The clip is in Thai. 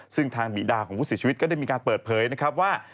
ซึ่งทางบิดาของผู้เสียชีวิตก็ได้มีการเปิดเผยนะครับว่า